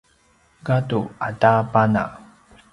gadu ata pana